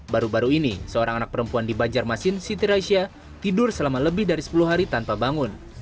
baru baru ini seorang anak perempuan di banjarmasin siti raisyah tidur selama lebih dari sepuluh hari tanpa bangun